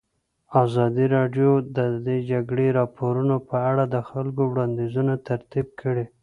ازادي راډیو د د جګړې راپورونه په اړه د خلکو وړاندیزونه ترتیب کړي.